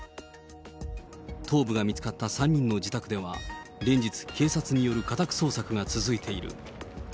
頭部が見つかった３人の自宅では、連日、警察による家宅捜索が続いている。